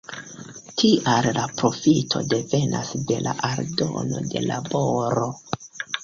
Tial la profito devenas de la aldono de laboro.